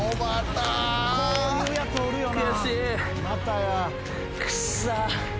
こういうやつおるよな。